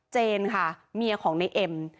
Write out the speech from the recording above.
เจนค่ะเมียของในเอ็ม